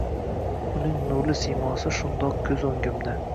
uning nurli siymosi shundoq koʻz oʻngimda.